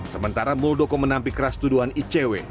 sementara muldoko menampik keras tuduhan icw